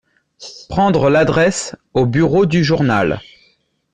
Prendre l'adresse au bureau du journal.